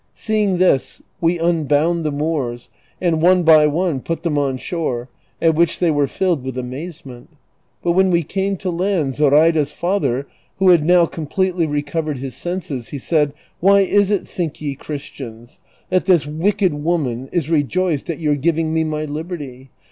Seeing this we unbound the Moors, and one by one j)ut them on shore, at which they were filled with amazement ; but when we came to landZoraida's father, who had now completely recovered his senses, he said, " Why is it, think ye. Christians, that this wicked woman is rejoiced at your giving me my liberty